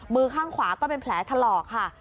มือข้างขวาก็เป็นแผลถลอกค่ะ